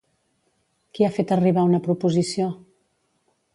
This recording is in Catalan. Qui ha fet arribar una proposició?